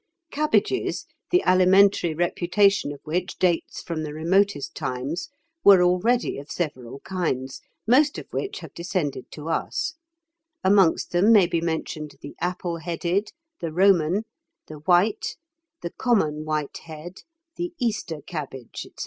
Cabbages, the alimentary reputation of which dates from the remotest times, were already of several kinds, most of which have descended to us; amongst them may be mentioned the apple headed, the Roman, the white, the common white head, the Easter cabbage, &c.